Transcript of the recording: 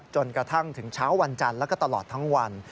จนกระทั่งถึงเช้าวันจันทร์แล้วก็ตลอดทั้งวัน